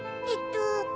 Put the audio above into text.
えっと。